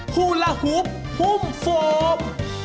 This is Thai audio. ๓ฮูลาฮุบฮุ่มฟอม